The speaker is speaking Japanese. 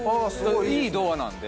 いいドアなんで。